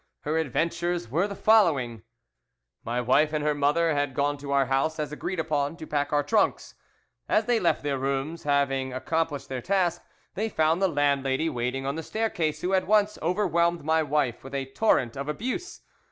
"Her adventures were the following: "My wife and her mother had gone to our house, as agreed upon, to pack our trunks. As they left their rooms, having accomplished their task, they found the landlady waiting on the staircase, who at once overwhelmed my wife with a torrent of abuse.